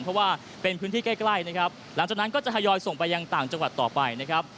เพราะว่าเป็นพื้นที่ใกล้นะครับหลังจากนั้นก็จะทยอยส่งไปยังต่างจังหวัดต่อไปนะครับ